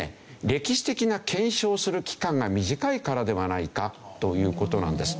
歴史的な検証をする期間が短いからではないかという事なんです。